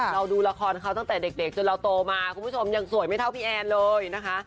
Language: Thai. เราดูละครเขาตั้งแต่เด็กจนเราโตมาคุณผู้ชมยังสวยไม่เท่าพี่แอนเลยนะคะ